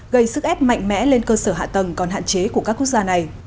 gây sức ép mạnh mẽ lên cơ sở hạ tầng còn hạn chế của các quốc gia này